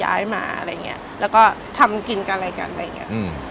ย้ายมาอะไรอย่างเงี้ยแล้วก็ทำกินกันอะไรกันอะไรอย่างเงี้ยอืม